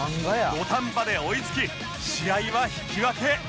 土壇場で追いつき試合は引き分け